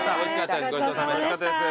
おいしかったです。